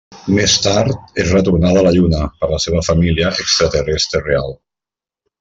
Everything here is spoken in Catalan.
Més tard és retornada a la Lluna per la seva família extraterrestre real.